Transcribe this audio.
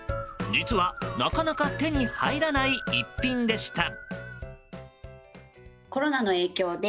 実は、なかなか手に入らない逸品でした。